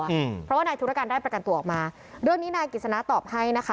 อืมเพราะว่านายธุรการได้ประกันตัวออกมาเรื่องนี้นายกิจสนาตอบให้นะคะ